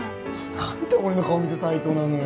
何で俺の顔見て斉藤なのよ・